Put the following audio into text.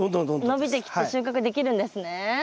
伸びてきて収穫できるんですね。